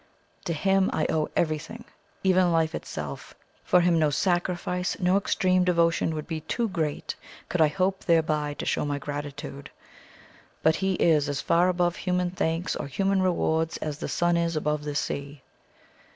To him I owe everything even life itself. For him no sacrifice, no extreme devotion would be too great, could I hope thereby to show my gratitude. But he is as far above human thanks or human rewards as the sun is above the sea.